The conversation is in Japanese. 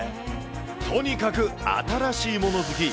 とにかく新しいもの好き。